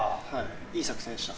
いい作戦でした。